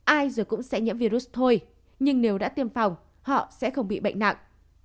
ai giờ cũng sẽ nhiễm virus thôi nhưng nếu đã tiêm phòng họ sẽ không bị bệnh nặng